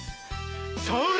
それ！